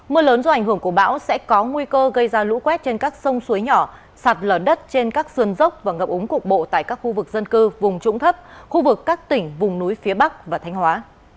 mưa lớn do ảnh hưởng của bão sẽ có nguy cơ gây ra lũ quét trên các sông suối nhỏ sạt lở đất trên các sườn dốc và ngập úng cục bộ tại các khu vực dân cư vùng trũng thấp khu vực các tỉnh vùng núi phía bắc và thanh hóa